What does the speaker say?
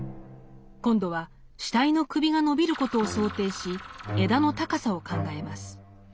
今度は死体の首が伸びることを想定し枝の高さを考えます。